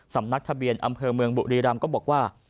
สำนักทะเบียนอำเภอเมืองบุรีรำก็บอกว่า